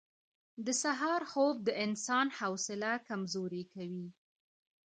• د سهار خوب د انسان حوصله کمزورې کوي.